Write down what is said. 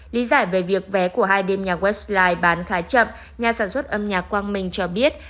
lý giải về việc vé của hai đêm nhà westline bán khá chậm nhà sản xuất âm nhạc quang minh cho biết